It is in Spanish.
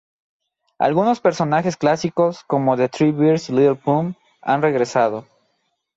Algunos personajes clásicos, como The Three Bears y Little Plum, han regresado.